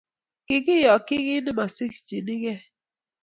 Kikiyochi kit ne mosikchinei .